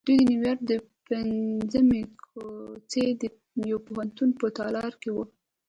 دوی د نیویارک د پنځمې کوڅې د یوه پوهنتون په تالار کې وو